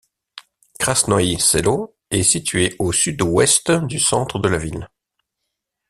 Krasnoïe Selo est située au sud-ouest du centre de la ville.